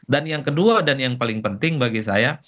dan yang kedua dan yang paling penting bagi saya